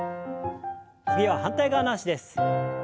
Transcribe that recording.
次は反対側の脚です。